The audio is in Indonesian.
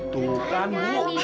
tuh kan bu